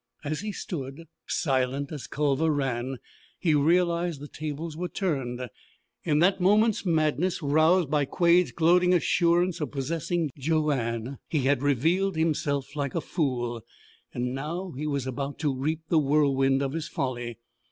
As he stood, silent as Culver Rann, he realized the tables were turned. In that moment's madness roused by Quade's gloating assurance of possessing Joanne he had revealed himself like a fool, and now he was about to reap the whirlwind of his folly.